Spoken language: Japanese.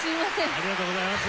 ありがとうございます。